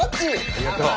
ありがとう。